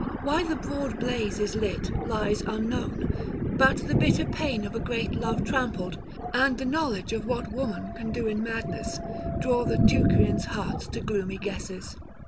Why the broad blaze is lit lies unknown; but the bitter pain of a great love trampled, and the knowledge of what woman can do in madness, draw the Teucrians' hearts to gloomy guesses.